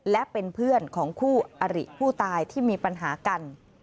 และเป็นเพื่อนของคู่อริผู้ตายที่มีปัญหากัน